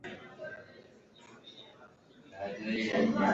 ndizera ko tom azoga